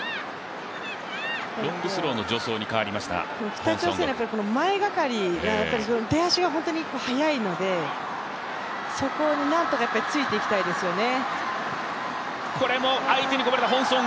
北朝鮮の前がかりな、出足が本当に速いのでそこを何とかついていきたいですよね。